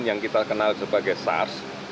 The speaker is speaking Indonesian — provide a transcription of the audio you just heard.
yang kita kenal sebagai sars